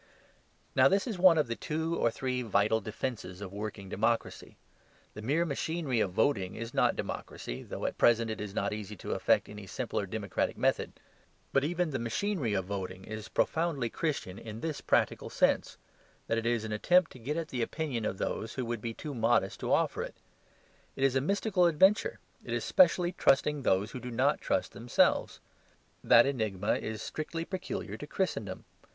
Now, this is one of the two or three vital defences of working democracy. The mere machinery of voting is not democracy, though at present it is not easy to effect any simpler democratic method. But even the machinery of voting is profoundly Christian in this practical sense that it is an attempt to get at the opinion of those who would be too modest to offer it. It is a mystical adventure; it is specially trusting those who do not trust themselves. That enigma is strictly peculiar to Christendom.